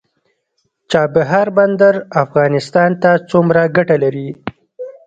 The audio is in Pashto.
چابهار بندر افغانستان ته څومره ګټه لري؟